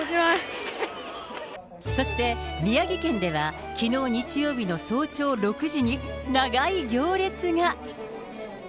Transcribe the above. そして宮城県ではきのう日曜日の早朝６時に、長い行列が。